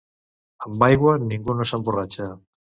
Amb aigua ningú no s'emborratxa.